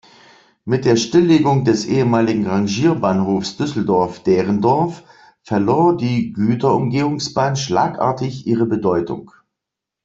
Mit der Stilllegung des ehemaligen Rangierbahnhofs Düsseldorf-Derendorf verlor die Güterumgehungsbahn schlagartig ihre Bedeutung.